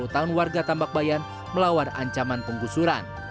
sepuluh tahun warga tambak bayan melawan ancaman penggusuran